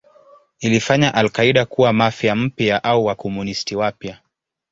Ilifanya al-Qaeda kuwa Mafia mpya au Wakomunisti wapya.